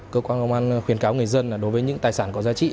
cơ quan công an khuyến cáo người dân là đối với những tài sản có giá trị